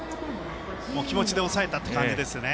気持ちで抑えたという感じですね。